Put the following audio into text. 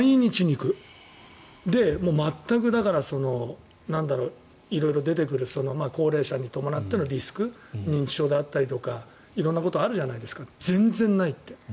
もう全く色々出てくる高齢者に伴ってのリスク認知症であったりとか色んなことがあるじゃないですか全然ないって。